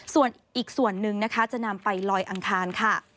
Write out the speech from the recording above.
ส่วนอีกส่วนนึงจะนำไปลอยอังคาร